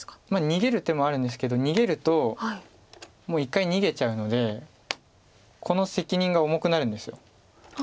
これ逃げる手もあるんですけど逃げるともう一回逃げちゃうのでこの責任が重くなるんです。